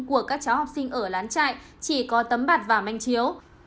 của các cháu học sinh ở lán trại chỉ có tấm bạc và manh chiếu